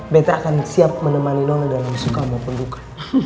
bete akan siap menemani nona dalam suka maupun duka